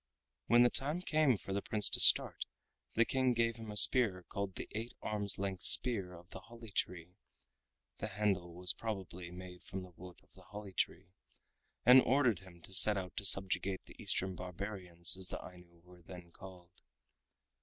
When the time came for the Prince to start, the King gave him a spear called the Eight Arms Length Spear of the Holly Tree (the handle was probably made from the wood of the holly tree), and ordered him to set out to subjugate the Eastern Barbarians as the Ainu were then called.